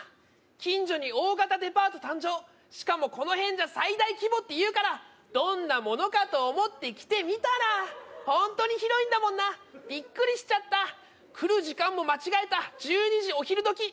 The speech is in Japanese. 近所に大型デパート誕生しかもこの辺じゃ最大規模っていうからどんなものかと思って来てみたらホントに広いんだもんなビックリしちゃった来る時間も間違えた１２時お昼どき